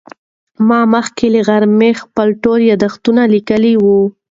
ما مخکې له غرمې خپل ټول یادښتونه لیکلي وو.